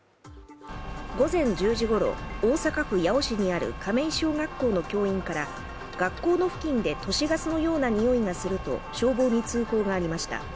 午前１０時ごろ、大阪府八尾市にある亀井小学校の教員から学校の付近で都市ガスのような臭いがすると消防に通報がありました。